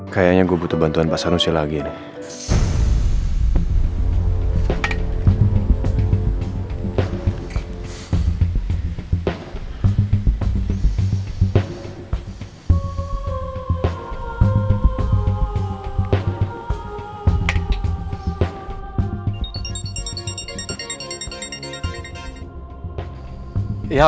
kayaknya gue butuh bantuan pasal nusia lagi nih